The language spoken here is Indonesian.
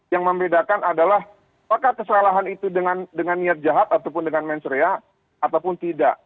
yang membedakan adalah apakah kesalahan itu dengan niat jahat ataupun dengan menseria ataupun tidak